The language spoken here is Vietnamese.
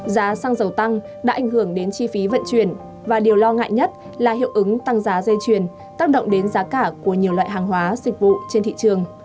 giá xăng dầu tăng đã ảnh hưởng đến chi phí vận chuyển và điều lo ngại nhất là hiệu ứng tăng giá dây chuyển tác động đến giá cả của nhiều loại hàng hóa dịch vụ trên thị trường